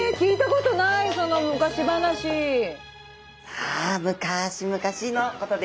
さあ昔々のことです。